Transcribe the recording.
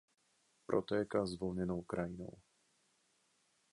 Protéká zvlněnou krajinou.